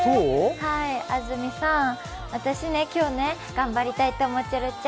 安住さん、私ね、今日ね、頑張りたいと思ってるっちゃ。